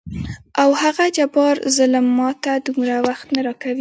او هغه جبار ظلم ماته دومره وخت نه راکوي.